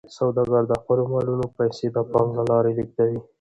سوداګر د خپلو مالونو پیسې د بانک له لارې لیږدوي.